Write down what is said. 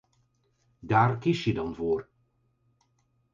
Daar kies je dan voor.